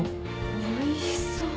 おいしそう